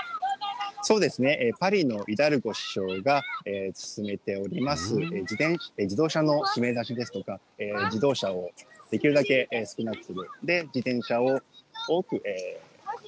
そうですね、パリの首相が、進めております、自動車の締め出しですとか、自動車をできるだけ少なくする。